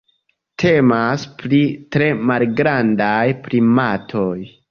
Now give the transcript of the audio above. Temas pri tre malgrandaj primatoj.